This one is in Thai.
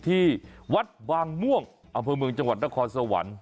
ที่วัดบางม่วงอำเภอเมืองจังหวัดนครสวรรค์